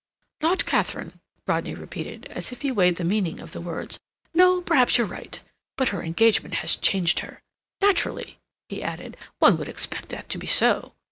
"Not Katharine," Rodney repeated, as if he weighed the meaning of the words. "No, perhaps you're right. But her engagement has changed her. Naturally," he added, "one would expect that to be so."